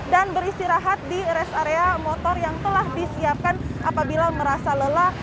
dan beristirahat di res area motor yang telah disiapkan apabila merasa lelah